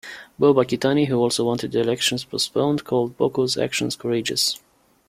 Bob-Akitani, who also wanted the elections postponed, called Boko's action "courageous".